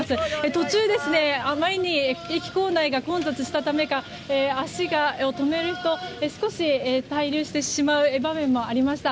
途中、あまりに駅構内が混雑したためか足を止める人、少し滞留してしまう場面もありました。